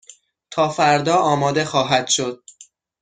تا فردا آماده خواهد شد.